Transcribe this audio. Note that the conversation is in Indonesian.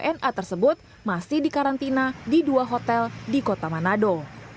wna tersebut masih dikarantina di dua hotel di kota manado